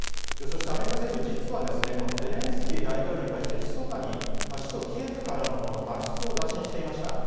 アメリカ政府、実はゼレンスキー大統領に対してひそかに首都キエフからの脱出を打診していました。